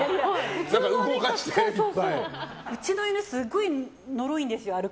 うちの犬、すごい歩くのがのろいんですよ。